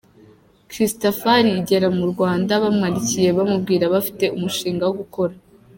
Christafari igera mu Rwanda bamwandikiye bamubwira bafite umushinga wo gukora